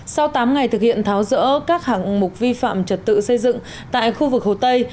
sau tám ngày thực hiện tháo rỡ các hạng mục vi phạm trật tự xây dựng tại khu vực hồ tây